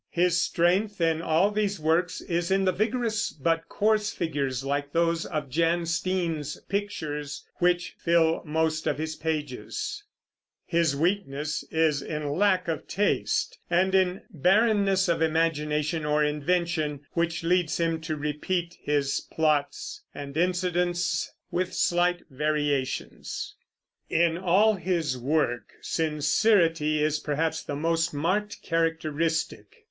His strength in all these works is in the vigorous but coarse figures, like those of Jan Steen's pictures, which fill most of his pages; his weakness is in lack of taste, and in barrenness of imagination or invention, which leads him to repeat his plots and incidents with slight variations. In all his work sincerity is perhaps the most marked characteristic.